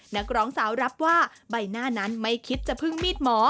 นักร้องสาวรับว่าใบหน้านั้นไม่คิดจะพึ่งมีดหมอ